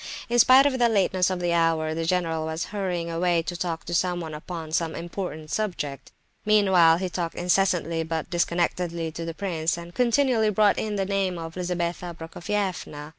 In spite of the lateness of the hour, the general was hurrying away to talk to someone upon some important subject. Meanwhile he talked incessantly but disconnectedly to the prince, and continually brought in the name of Lizabetha Prokofievna.